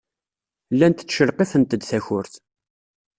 Llant ttcelqifent-d takurt.